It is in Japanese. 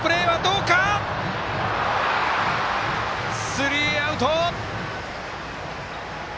スリーアウト！